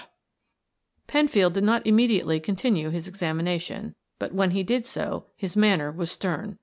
Penfield did not immediately continue his examination, but when he did so his manner was stern.